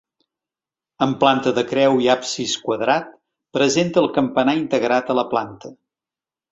Amb planta de creu i absis quadrat, presenta el campanar integrat a la planta.